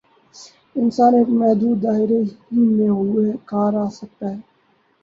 انسان ایک محدود دائرے ہی میں بروئے کار آ سکتا ہے۔